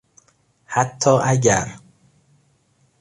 حتی اگر